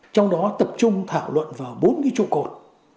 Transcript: trong đó tập trung thảo luận vào bốn cái trụ cột